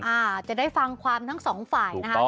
อาจจะได้ฟังความทั้งสองฝ่ายนะคะ